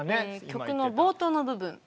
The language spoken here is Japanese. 曲の冒頭の部分。